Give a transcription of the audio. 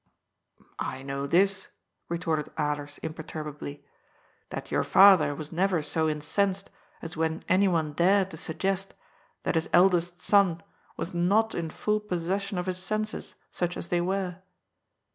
"I know this," retorted Alers imperturbably, "that your father was never so incensed as when anyone dared to suggest that his eldest son was not in full possession of his senses, such as they were."